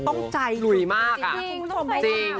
ตรงใจลุยมากอ่ะจริง